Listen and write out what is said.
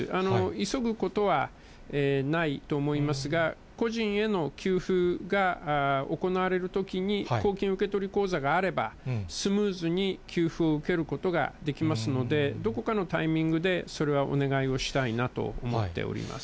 急ぐことはないと思いますが、個人への給付が行われるときに、公金受取口座があれば、スムーズに給付を受けることができますので、どこかのタイミングで、それはお願いをしたいなと思っております。